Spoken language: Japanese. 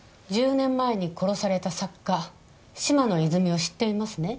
１０年前に殺された作家嶋野泉水を知っていますね？